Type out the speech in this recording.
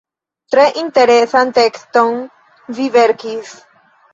Tre interesan tekston vi verkis.